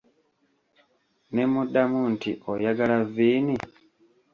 Ne muddamu nti oyagala vviini?